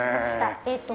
えっと